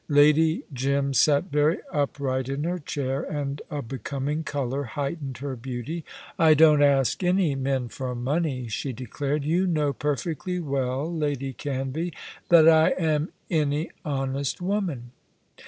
Lady Jim sat very upright in her chair, and a becoming colour heightened her beauty. "I don't ask any men for money," she declared; "you know perfectly well, Lady Canvey, that I am any honest woman."